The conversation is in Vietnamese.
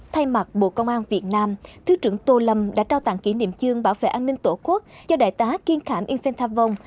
thay mặt bộ công an việt nam thứ trưởng tô lâm đã trao tặng kỷ niệm dương bảo vệ an ninh tổ quốc cho đại tá kiên khảm yên phên tham vong